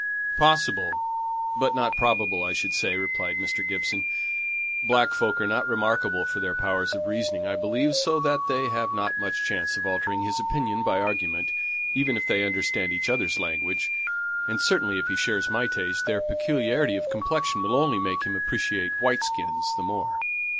"Possible, but not probable, I should say," replied Mr. Gibson. "Black folk are not remarkable for their powers of reasoning, I believe, so that they haven't much chance of altering his opinion by argument, even if they understood each other's language; and certainly if he shares my taste, their peculiarity of complexion will only make him appreciate white skins the more."